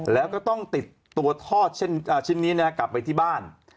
แล้วก็ต้องติดตัวทอดชิ้นนี้กลับไปที่บ้าน